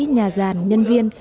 nhà giàn nhân viên